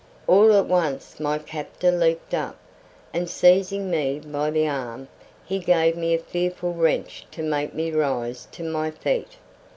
All at once my captor leaped up, and seizing me by the arm he gave me a fearful wrench to make me rise to my feet.